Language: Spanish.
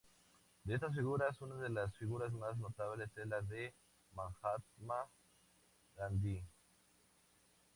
De estas figuras, una de las figuras más notables es la de Mahatma Gandhi.